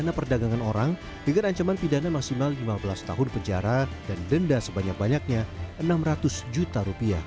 pidana perdagangan orang dengan ancaman pidana maksimal lima belas tahun penjara dan denda sebanyak banyaknya rp enam ratus juta